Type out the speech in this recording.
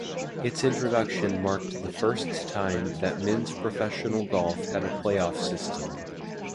Its introduction marked the first time that men's professional golf had a playoff system.